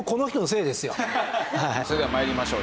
それでは参りましょう。